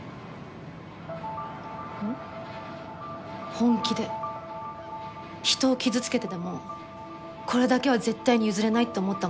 本気で人を傷つけてでもこれだけは絶対に譲れないって思ったものある？